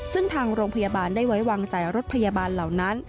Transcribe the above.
ซึ่งทางโรงพยาบาลได้ไว้วางใจรถพยาบาลเหล่านั้น